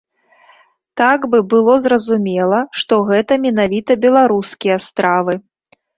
Так бы было зразумела, што гэта менавіта беларускія стравы.